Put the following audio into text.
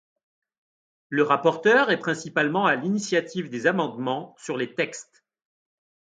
Le rapporteur est principalement à l’initiative des amendements sur les textes.